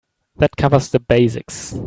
That covers the basics.